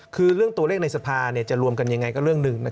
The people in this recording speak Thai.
คือเรื่องตัวเลขในสภาจะรวมกันยังไงก็เรื่องหนึ่ง